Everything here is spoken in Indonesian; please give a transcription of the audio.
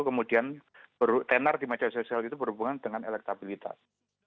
kemudian tenar di media sosial itu berhubungan dengan elektabilitas